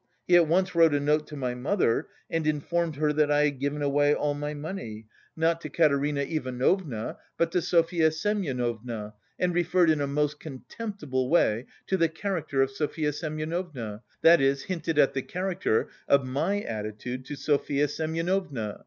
He at once wrote a note to my mother and informed her that I had given away all my money, not to Katerina Ivanovna but to Sofya Semyonovna, and referred in a most contemptible way to the... character of Sofya Semyonovna, that is, hinted at the character of my attitude to Sofya Semyonovna.